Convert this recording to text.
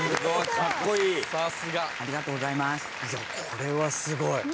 ・これはすごい。